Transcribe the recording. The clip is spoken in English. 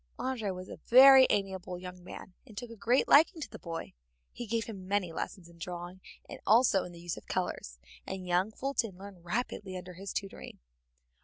André was a very amiable young man, and took a great liking to the boy. He gave him many lessons in drawing, and also in the use of colors, and young Fulton learned rapidly under his tutoring.